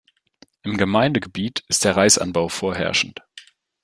Im Gemeindegebiet ist der Reisanbau vorherrschend.